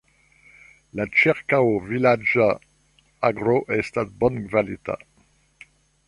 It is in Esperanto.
La ĉirkaŭ-vilaĝa agro estas bonkvalita.